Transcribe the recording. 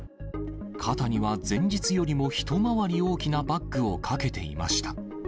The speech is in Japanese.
肩には、前日よりも一回り大きなバッグをかけていました。